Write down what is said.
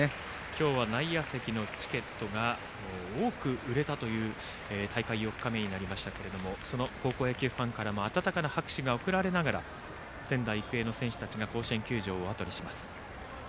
今日は内野席のチケットが多く売れたという大会４日目になりましたが高校野球ファンから温かい拍手が送られながら仙台育英の選手たちが甲子園球場をあとにします。